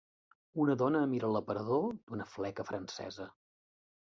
Una dona mira l'aparador d'una fleca francesa.